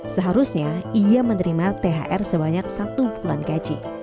seharusnya ia menerima thr sebanyak satu bulan gaji